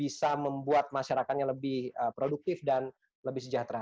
bisa membuat masyarakatnya lebih produktif dan lebih sejahtera